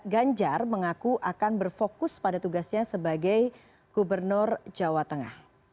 ganjar mengaku akan berfokus pada tugasnya sebagai gubernur jawa tengah